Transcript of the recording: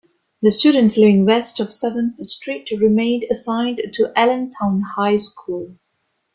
The students living west of Seventh Street remained assigned to Allentown High School.